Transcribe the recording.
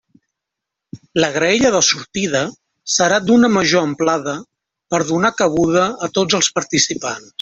La graella de sortida serà d'una major amplada per donar cabuda a tots els participants.